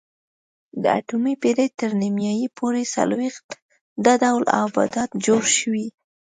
د اتمې پېړۍ تر نیمایي پورې څلوېښت دا ډول آبدات جوړ شوي